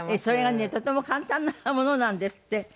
それがねとても簡単なものなんですって。